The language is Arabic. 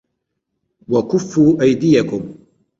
وَكُفُّوا أَيْدِيَكُمْ